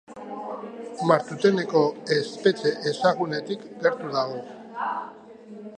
Martuteneko espetxe ezagunetik gertu dago.